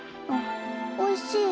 おいしい。